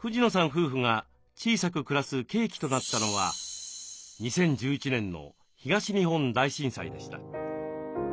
夫婦が小さく暮らす契機となったのは２０１１年の東日本大震災でした。